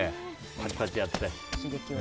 パチパチやって。